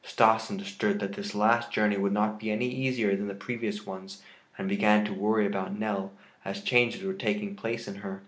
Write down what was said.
Stas understood that this last journey would not be any easier than the previous ones and began to worry about Nell, as changes were taking place in her.